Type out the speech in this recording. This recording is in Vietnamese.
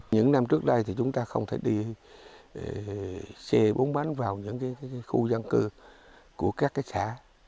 những năm trước đây thì chúng ta không thể đi xe bốn bánh vào những khu dân cư của các xã